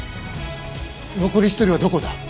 残り１人はどこだ？